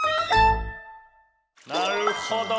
なるほど。